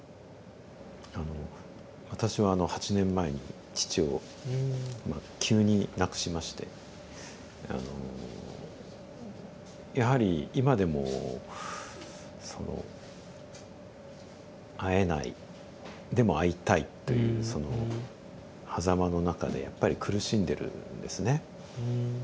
あの私はあの８年前に父をまあ急に亡くしましてあのやはり今でもその「会えないでも会いたい」というそのはざまの中でやっぱり苦しんでるんですね。